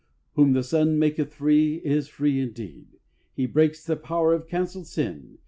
" Whom the Son maketh free is free indeed." " He breaks the power of cancelled sin.